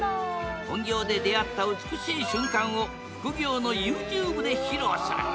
本業で出会った美しい瞬間を副業のＹｏｕＴｕｂｅで披露する。